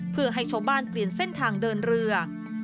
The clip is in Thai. เพื่อให้ชาวบ้านเปลี่ยนเส้นทางเดินเรือ